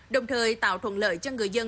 đồng thời tạo thuận lợi cho người dân